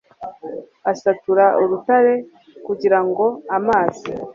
asatura urutare kugira ngo amazi